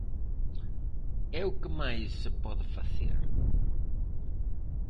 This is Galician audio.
E o que máis se pode facer?